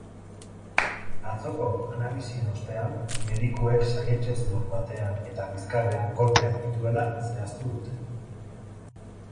Atzoko analisien ostean, medikuek saihets-hezur batean eta bizkarrean kolpeak dituela zehaztu dute.